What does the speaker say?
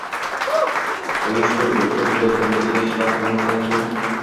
yomon tush ko‘rib, uyqusi buzilayotganlarga besh vaqt namozdan keyin